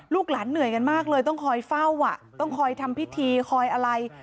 หลานเหนื่อยกันมากเลยต้องคอยเฝ้าอ่ะต้องคอยทำพิธีคอยอะไร